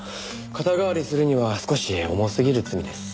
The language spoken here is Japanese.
肩代わりするには少し重すぎる罪です。